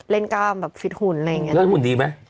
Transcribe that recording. เล่นก้ามตกฟิตหุ่นอะไรอย่างนี้นะ